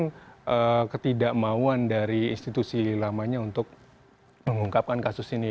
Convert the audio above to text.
jadi dia mencoba mengungkapkan kesusahan ketidakmauan dari institusi lamanya untuk mengungkapkan kasus ini